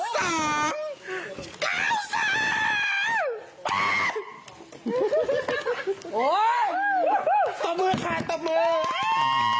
ตบมือค่ะตบมือ